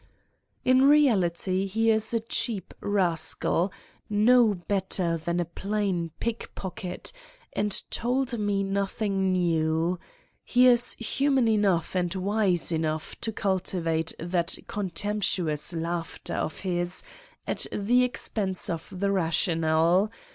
In reality he is a cheap rascal, no better than a plain pickpocket, and told me nothing new : he is human enough and wise enough to cultivate that contemptuous laughter of his at the expense of the rational.